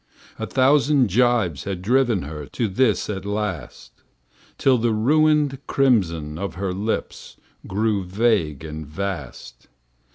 A thousand jibes had driven her To this at last; Till the ruined crimson of her lips Grew vague and vast.